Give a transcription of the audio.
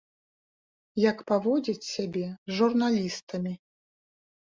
Як паводзіць сябе з журналістамі.